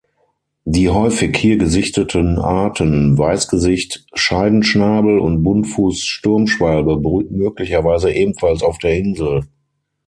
Die häufig hier gesichteten Arten Weißgesicht-Scheidenschnabel und Buntfuß-Sturmschwalbe brüten möglicherweise ebenfalls auf der Insel.